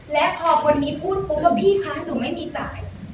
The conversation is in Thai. และพอคนนี้พูดปุ๊บแล้วพี่คะหนูไม่มีจ่าย